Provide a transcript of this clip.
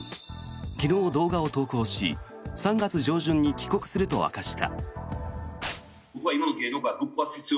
昨日、動画を投稿し３月上旬に帰国すると明かした。